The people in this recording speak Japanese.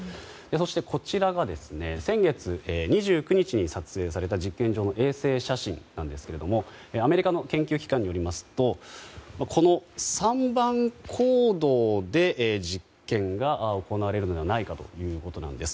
そして、こちらが先月２９日に撮影された実験場の衛星写真なんですけれどもアメリカの研究機関によりますと３番坑道で実験が行われるのではないかということです。